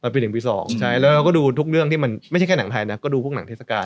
ปี๑ปี๒ใช่แล้วเราก็ดูทุกเรื่องที่มันไม่ใช่แค่หนังไทยนะก็ดูพวกหนังเทศกาล